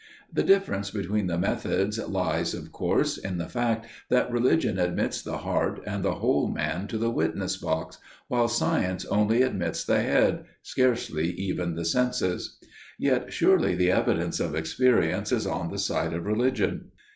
The difference between the methods lies, of course, in the fact that Religion admits the heart and the whole man to the witness box, while Science only admits the head––scarcely even the senses. Yet surely the evidence of experience is on the side of Religion.